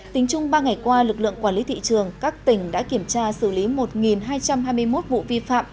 tính chung ba ngày qua lực lượng quản lý thị trường các tỉnh đã kiểm tra xử lý một hai trăm hai mươi một vụ vi phạm